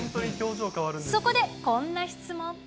そこでこんな質問。